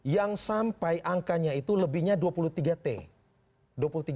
yang sampai angkanya itu lebihnya dua puluh tiga t